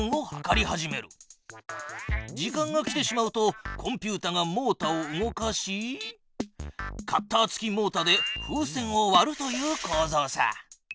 時間が来てしまうとコンピュータがモータを動かしカッター付きモータで風船をわるというこうぞうさ。